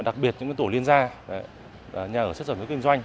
đặc biệt những tổ liên gia nhà ở xuất sở nước kinh doanh